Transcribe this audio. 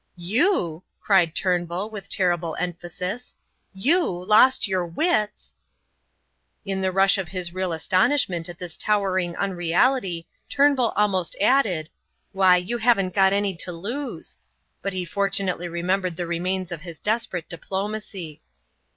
"You!" cried Turnbull with terrible emphasis. "You! Lost your wits!" In the rush of his real astonishment at this towering unreality Turnbull almost added: "Why, you haven't got any to lose." But he fortunately remembered the remains of his desperate diplomacy.